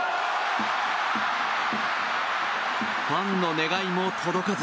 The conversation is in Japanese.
ファンの願いも届かず。